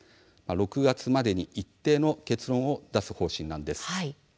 ６月までに一定の結論を出す方針なんです。